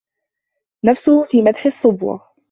نَفْسَهُ فِي مَدْحِ الصَّبْوَةِ